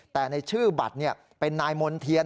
แต่ในชื่อบัตรเป็นนายมณ์เทียน